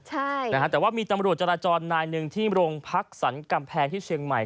ใช่นะฮะแต่ว่ามีตำรวจจราจรนายหนึ่งที่โรงพักสรรกำแพงที่เชียงใหม่